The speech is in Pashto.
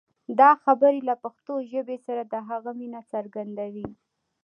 دا خبرې له پښتو ژبې سره د هغه مینه څرګندوي.